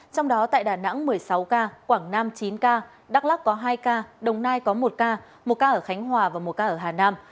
trong đó tại đà nẵng một mươi sáu ca quảng nam chín ca đắk lắc có hai ca đồng nai có một ca một ca ở khánh hòa và một ca ở hà nam